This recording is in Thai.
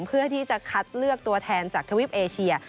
เพื่อที่จะคัดเลือกตัวแทนจากทวิปเอเชีย